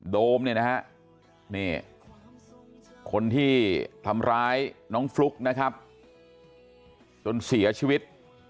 โดมคนที่ทำร้ายน้องฟลุ๊กจนเสียชีวิต